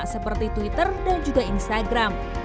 seperti twitter dan juga instagram